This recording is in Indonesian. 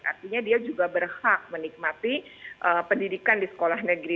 artinya dia juga berhak menikmati pendidikan di sekolah negeri